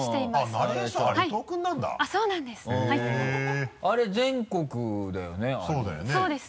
あれ全国だよね？